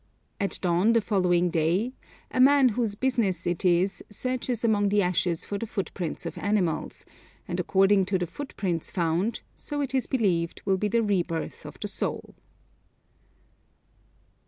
At dawn the following day, a man whose business it is searches among the ashes for the footprints of animals, and according to the footprints found, so it is believed will be the re birth of the soul.